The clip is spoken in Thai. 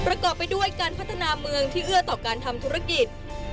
ประกอบไปด้วยการพัฒนาเมืองที่เอื้อต่อการทำธุรกิจ